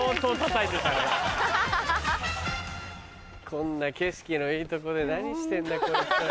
こんな景色のいいとこで何してんだこいつら。